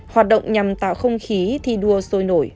hoạt động nhằm tạo không khí thi đua sôi nổi